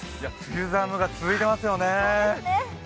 梅雨寒が続いていますよね。